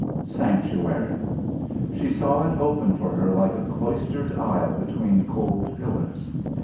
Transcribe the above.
"Sanctuary." She saw it open for her like a cloistered aisle between cold pillars.